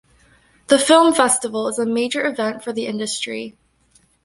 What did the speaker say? The Film Festival is a major event for the industry.